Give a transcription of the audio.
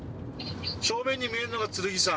正面に見えるのが剣山？